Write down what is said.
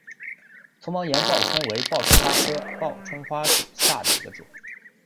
丛毛岩报春为报春花科报春花属下的一个种。